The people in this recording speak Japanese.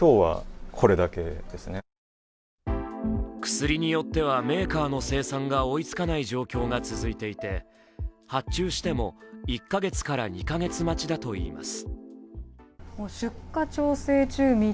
薬によってはメーカーの生産が追いつかない状態が続いていて発注しても１か月から２か月待ちだといいます。